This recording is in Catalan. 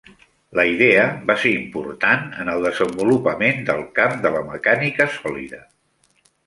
La idea va ser important en el desenvolupament del camp de la mecànica sòlida.